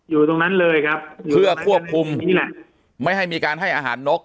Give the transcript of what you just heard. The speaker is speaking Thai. อยู่ตรงนั้นเลยครับเพื่อควบคุมนี่แหละไม่ให้มีการให้อาหารนก